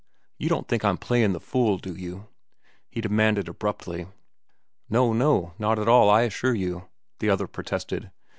You don't think I'm playin' the fool, do you?" he demanded abruptly. "No, no; not at all, I assure you," the other protested.